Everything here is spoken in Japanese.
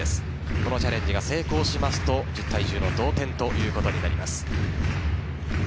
このチャレンジが成功しますと１０対１０の同点ということになります。